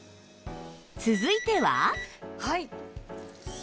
続いては